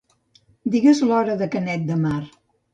Digues l'hora de Canet de Mar.